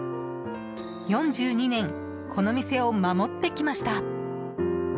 ４２年、この店を守ってきました。